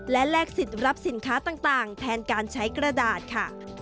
และแลกสิทธิ์รับสินค้าต่างแทนการใช้กระดาษค่ะ